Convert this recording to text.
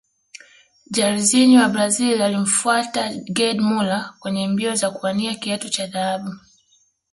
Jairzinho wa Brazil alimfuatia gerd muller kwenye mbio za kuwania kiatu cha dhahabu